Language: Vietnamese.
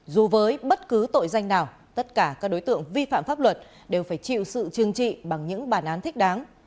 dù với bất cứ tội danh nào tất cả các đối tượng vi phạm pháp luật đều phải chịu sự chừng trị bằng những bản án thích đáng